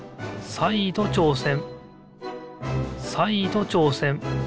さいどちょうせん。